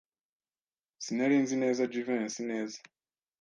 Sinari nzi neza Jivency neza.